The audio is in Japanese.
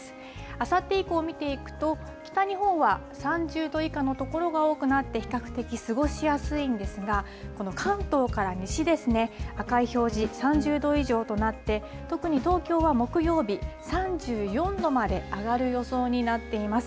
あさって以降、見ていくと、北日本は３０度以下の所が多くなって、比較的過ごしやすいんですが、この関東から西ですね、赤い表示、３０度以上となって、特に東京は木曜日、３４度まで上がる予想になっています。